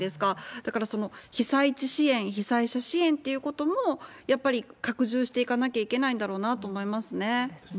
だから、被災地支援、被災者支援っていうことも、やっぱり拡充していかなきゃいけないんだろうなと思いますね。